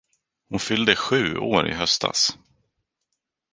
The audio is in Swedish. Hon fyllde sju år i höstas.